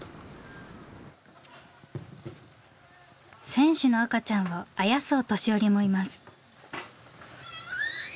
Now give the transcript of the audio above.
選手の赤ちゃんをあやすお年寄りもいます。